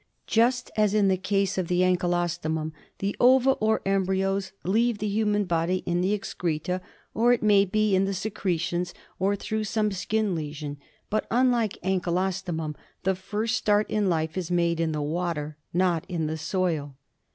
Just as in the case of the ankylostomum, the ova or embryos leave the human body in the excreta, or it may be in the secretions, or through some skin lesion ; but unlike ankylostomum, the first start in life is made in the water, not in the soil.